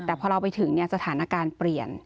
แต่พอเราไปถึงสถานการณ์เปลี่ยน